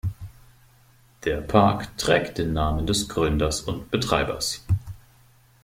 Der Park trägt den Namen des Gründers und Betreibers.